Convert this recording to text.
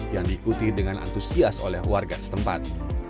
yang diikuti dengan antusias oleh warga setempat